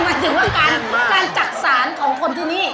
แน่นขึ้นว่าการพอดันจักรศาลของคนที่นี่